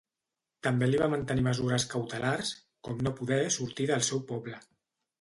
També li va mantenir mesures cautelars, com no poder sortir del seu poble.